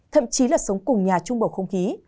thậm chí là sống cùng nhà trung bầu không khí